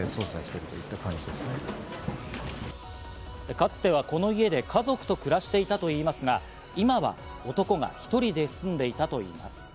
かつてはこの家で家族と暮らしていたといいますが、今は男が１人で住んでいたといいます。